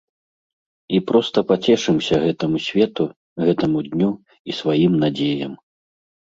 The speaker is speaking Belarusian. І проста пацешымся гэтаму свету, гэтаму дню і сваім надзеям.